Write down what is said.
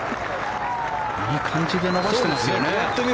いい感じで伸ばしてますよね。